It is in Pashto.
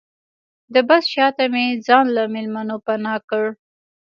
د بس شاته مې ځان له مېلمنو پناه کړ.